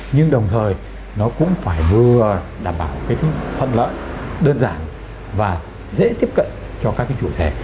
nhưng đồng thời nó cũng phải vừa đảm bảo cái thuận lợi đơn giản và dễ tiếp cận cho các cái chủ thể